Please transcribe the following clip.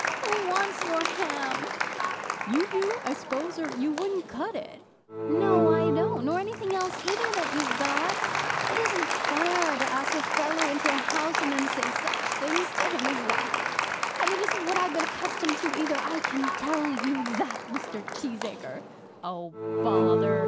"Who wants your ham?" "You do, I suppose, or you wouldn't cut it." "No I don't; nor anything else either that you've got. It isn't fair to ask a fellow into your house, and then say such things to him as that. And it isn't what I've been accustomed to either; I can tell you that, Mr. Cheesacre." "Oh, bother!"